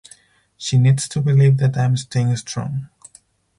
She needs to believe that I'm staying strong.